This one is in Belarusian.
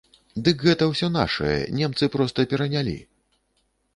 Дык гэта ўсё нашае, немцы проста перанялі!